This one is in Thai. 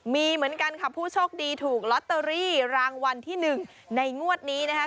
มีเหมือนกันค่ะผู้โชคดีถูกลอตเตอรี่รางวัลที่๑ในงวดนี้นะคะ